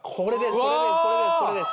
これですこれです。